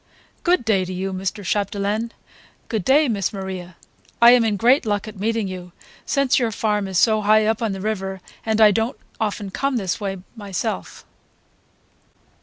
"Good day to you, Mr. Chapdelaine. Good day, Miss Maria. I am in great luck at meeting you, since your farm is so high up the river and I don't often come this way myself."